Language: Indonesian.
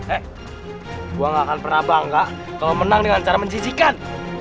eh gue gak akan pernah bangga kalau menang dengan cara menjijikan